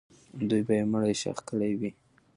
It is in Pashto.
دوی به یې مړی ښخ کړی وي.